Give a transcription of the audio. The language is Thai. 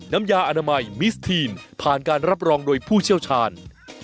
น้ำยาอนามัยมิสทีนผ่านการรับรองโดยผู้เชี่ยวชาญ